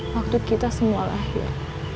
waktu kita semua lahir